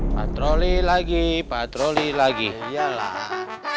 patroli lagi patroli lagi ya lah